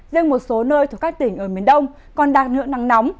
riêng một số nơi thuộc các tỉnh ở miền đông còn đạt ngưỡng nắng nóng